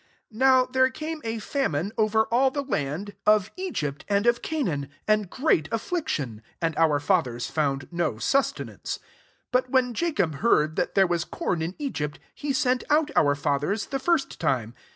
11 Now there came a famine over aU the land ot ^ Gr. Ckamn. £10 ACTS VII. Egypt and of Caaaan, and great affliction; and our fathers found no sustenance. 12 But when Jacob heard that there was com in Egypt, he sent out our fathers the first time.